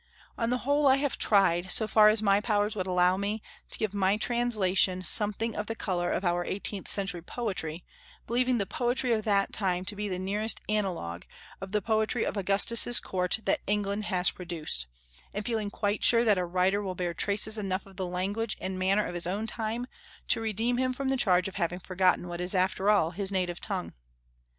On the whole I have tried, so far as my powers would allow me, to give my translation something of the colour of our eighteenth century poetry, believing the poetry of that time to be the nearest analogue of the poetry of Augustus' court that England has produced, and feeling quite sure that a writer will bear traces enough of the language and manner of his own time to redeem him from the charge of having forgotten what is after all his native tongue.